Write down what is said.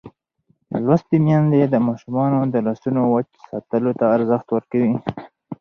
لوستې میندې د ماشومانو د لاسونو وچ ساتلو ته ارزښت ورکوي.